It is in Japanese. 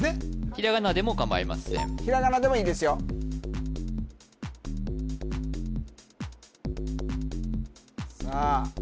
ひらがなでも構いませんひらがなでもいいですよさあ